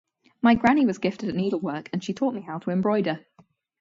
My granny was gifted at needlework and she taught me how to embroider.